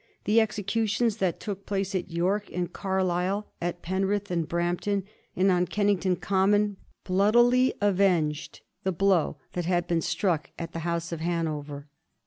The executions that took place at York and Carlisle, at Penrith and Brampton, and on Kennington Common, bloodily avenged the blow that had been struck at the House of Hanover.